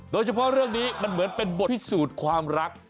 เรื่องนี้มันเหมือนเป็นบทพิสูจน์ความรัก